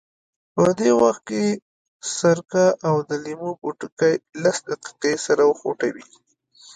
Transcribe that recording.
په دې وخت کې سرکه او د لیمو پوټکي لس دقیقې سره وخوټوئ.